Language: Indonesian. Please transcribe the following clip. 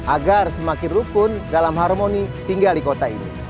agar semakin rukun dalam harmoni tinggal di kota ini